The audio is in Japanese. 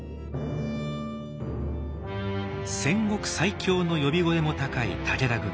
戦国最強の呼び声も高い武田軍団。